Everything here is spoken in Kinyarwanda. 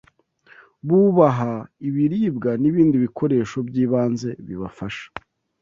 bubaha ibiribwa n’ibindi bikoresho by’ibanze bibafasha